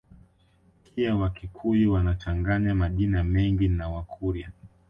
Pia Wakikuyu wanachanganya majina mengi na Wakurya